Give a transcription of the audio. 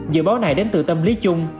dự báo này đến từ tâm lý chung